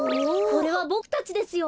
これはボクたちですよ。